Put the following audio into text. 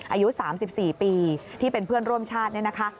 อายุ๓๔ปีที่เป็นเพื่อนร่วมชาติเนี่ยนะคะ